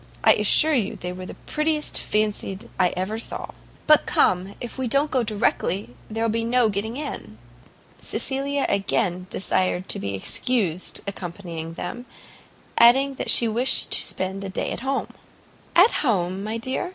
I assure you they were the prettiest fancied I ever saw. But come, if we don't go directly, there will be no getting in." Cecilia again desired to be excused accompanying them, adding that she wished to spend the day at home. "At home, my dear?"